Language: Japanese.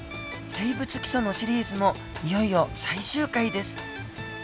「生物基礎」のシリーズもいよいよ最終回です。